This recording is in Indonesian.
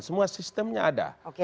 semua sistemnya ada